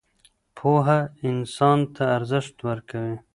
پوهه انسان ته ارزښت ورکوي.